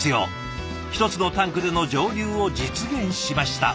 一つのタンクでの蒸留を実現しました。